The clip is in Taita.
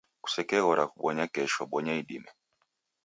Kusekeghora kubonya kesho, bonya idime